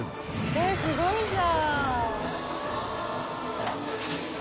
えっすごいじゃん。